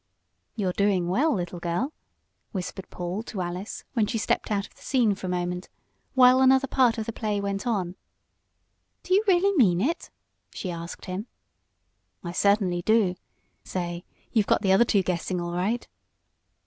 "You're doing well, little girl," whispered Paul to Alice, when she stepped out of the scene for a moment, while another part of the play went on. "Do you really mean it?" she asked him. "I certainly do. Say, you've got the other two guessing, all right."